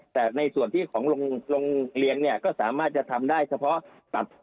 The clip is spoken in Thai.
แต่ในส่วนที่ของโรงเรียนเนี่ยก็สามารถจะทำได้เฉพาะตัด